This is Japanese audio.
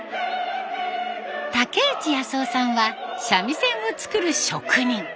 竹内康雄さんは三味線を作る職人。